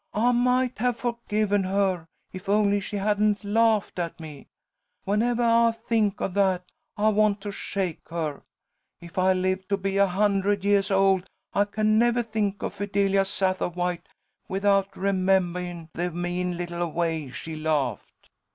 "I might have forgiven her if only she hadn't laughed at me. Whenevah I think of that I want to shake her. If I live to be a hundred yeahs old, I can nevah think of Fidelia Sattawhite, without remembahin' the mean little way she laughed!"